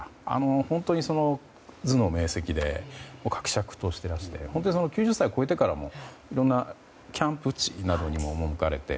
本当に頭脳明晰でかくしゃくとしていらっしゃって本当に９０歳を超えてからもいろんなキャンプ地などにも赴かれて。